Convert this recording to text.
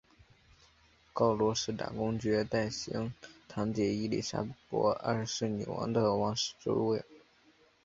告罗士打公爵代行堂姐伊利莎伯二世女王的王室职务。